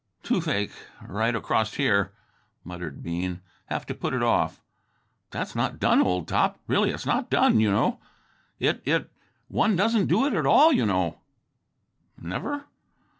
"Toothache, right across here," muttered Bean. "Have to put it off." "But that's not done, old top; really it's not done, you know. It ... it ... one doesn't do it at all, you know." "Never?"